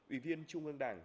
ủy viên trung ương đảng